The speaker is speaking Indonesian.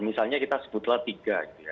misalnya kita sebutlah tiga